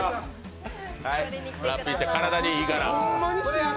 ラッピー茶、体にいいから。